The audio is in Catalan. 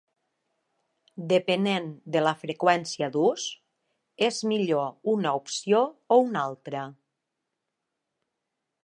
Depenent de la freqüència d'ús, és millor una opció o una altra.